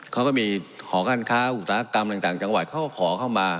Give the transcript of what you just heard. เขาก็มีหอการค้าอุตสาหกรรมต่างจังหวัดเขาก็ขอเข้ามา